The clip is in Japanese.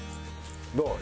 どう？